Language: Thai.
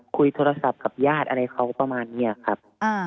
คุยโทรศัพท์กับญาติอะไรเขาประมาณนี้ครับ